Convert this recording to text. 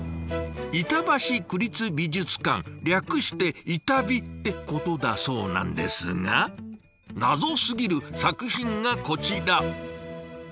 板橋区立美術館略して「イタビ」ってことだそうなんですがナゾすぎる作品がこちら。